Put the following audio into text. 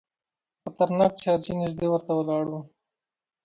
خطرناک جارچي نیژدې ورته ولاړ وو.